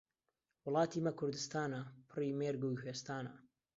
وڵاتی مە کوردستانە، پڕی مێرگ و کوێستانە.